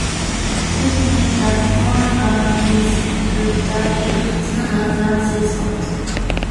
This means that Morrigan is set to die even sooner than she thought.